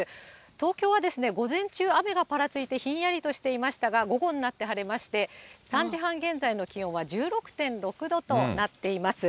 東京はですね、午前中、雨がぱらついてひんやりとしていましたが、午後になって晴れまして、３時半現在の気温は１６．６度となっています。